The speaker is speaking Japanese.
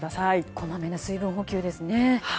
こまめな水分補給ですね。